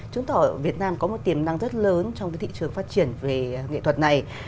chứng tỏ việt nam có một tiềm năng rất lớn trong cái thị trường phát triển về nghệ thuật này